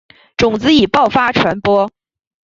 种子以爆发传播。